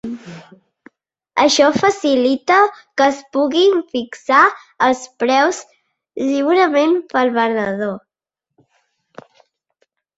Això facilita que es puguin fixar els preus lliurement pel venedor.